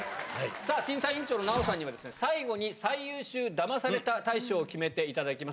さあ、審査委員長の奈緒さんには、最後に最優秀ダマされた大賞を決めていただきます。